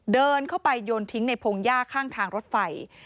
เดินเข้าไปโยนทิ้งในพงหญ้าข้างทางรถไฟ